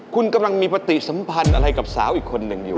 คุณกำลังมีปฏิสัมพันธ์อะไรกับสาวอีกคนหนึ่งอยู่